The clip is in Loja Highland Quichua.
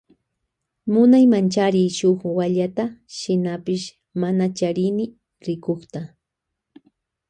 Munaymanchari shuk wallata shinapash mana charini rikukta.